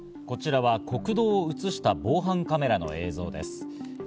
こちらは国道を写した防犯カメラの映像です。